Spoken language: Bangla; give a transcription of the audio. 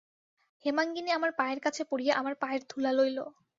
হেমাঙ্গিনী আমার পায়ের কাছে পড়িয়া আমার পায়ের ধূলা লইল।